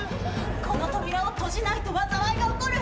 この扉を閉じないと災いが起こる。